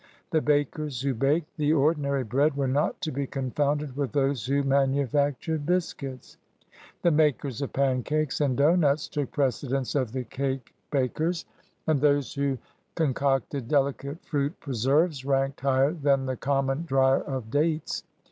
The bakers who baked the ordinary bread were not to be confounded with those who manufactured biscuits. The makers of pancakes and doughnuts took precedence of the cake bakers, and i6 THE KING'S PALACE AND HIS ATTENDANTS those who concocted dehcate fruit preserves ranked higher than the common dryer of dates.